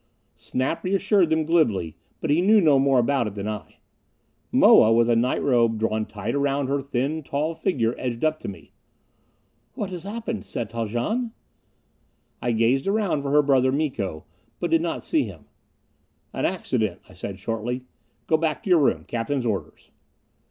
Snap reassured them glibly; but he knew no more about it than I. Moa, with a night robe drawn tight around her thin, tall figure, edged up to me. "What has happened, Set Haljan?" I gazed around for her brother Miko, but did not see him. "An accident," I said shortly. "Go back to your room. Captain's orders."